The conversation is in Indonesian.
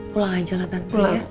pulang aja lah tante ya